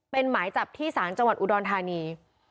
เป็นหมายจับที่ศาลจังหวัดอุดรธานี